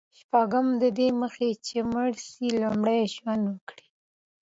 شپږم: ددې دمخه چي مړ سې، لومړی ژوند وکړه.